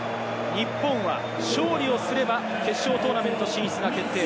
日本は勝利すれば決勝トーナメント進出が決定。